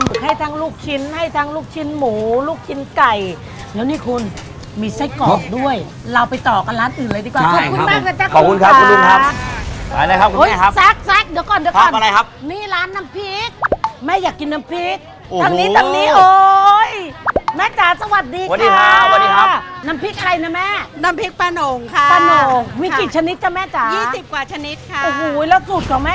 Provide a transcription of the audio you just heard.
เดี๋ยวหนูตามด้วยน้ำนิดนึงน้ำชุบครับอืมน้ำชุบ